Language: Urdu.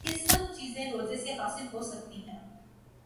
یہ سب چیزیں روزے سے حاصل ہو سکتی ہیں